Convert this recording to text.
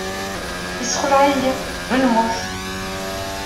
Yessexleɛ-iyi, d lmut.